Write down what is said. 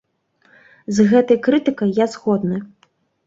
З гэтай крытыкай я згодны.